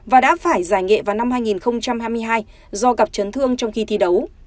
và đã phải giải nghệ vào năm hai nghìn hai mươi hai do gặp chấn thương trong khi thi đấu